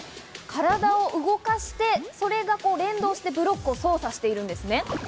体を動かして、それが連動してブロックを操作しているんですね。